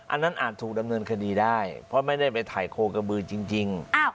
อันนั้นอาจถูกดำเนินคดีได้เพราะไม่ได้ไปถ่ายโคกระบือจริง